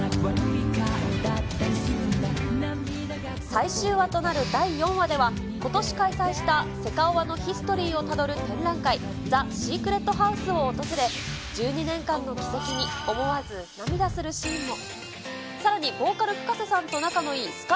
最終話となる第４話では、ことし開催したセカオワのヒストリーをたどる展覧会、ＴＨＥＳＥＣＲＥＴＨＯＵＳＥを訪れ、１２年間の軌跡に、思わず涙するシーンも。